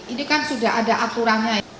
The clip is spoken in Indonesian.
ini kan sudah ada aturannya